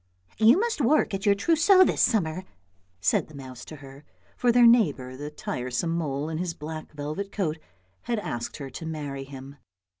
" You must work at your trousseau this summer," said the mouse to her, for their neighbour the tiresome mole in his black velvet coat had asked her to marry him.